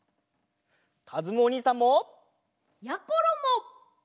かずむおにいさんも！やころも！